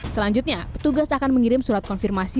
selanjutnya petugas akan mengirim surat konfirmasi